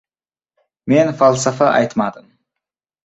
Men falsafa aytmadim.